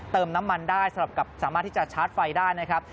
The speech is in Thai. เติมน้ำมันได้สำหรับสามารถที่จะชาร์จไฟได้นะครับ